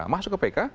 masuk ke pk